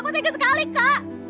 kau tega sekali kak